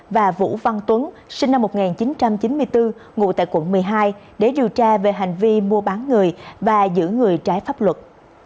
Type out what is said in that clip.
và vũ văn tuấn sinh năm một nghìn chín trăm chín mươi bốn ngụ tại quận một mươi hai để điều tra về hành vi mua bán người và giữ người trái pháp luật